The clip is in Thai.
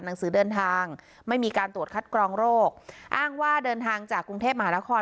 หนังสือเดินทางไม่มีการตรวจคัดกรองโรคอ้างว่าเดินทางจากกรุงเทพมหานคร